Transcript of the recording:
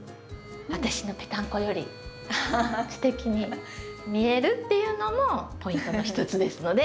私のぺたんこよりすてきに見えるっていうのもポイントの一つですので。